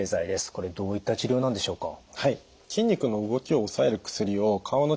これどういった治療なんでしょうか？